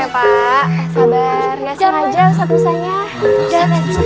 gak sengaja ustadz musanya